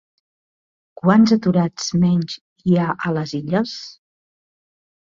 Quants aturats menys hi ha a les Illes?